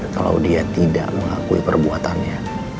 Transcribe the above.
kalau dia tidak mengakui perbuatannya